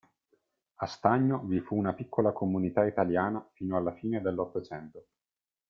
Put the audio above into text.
A Stagno vi fu una piccola comunità italiana fino alla fine dell'Ottocento.